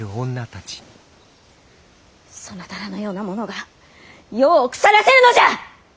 そなたらのような者が世を腐らせるのじゃ！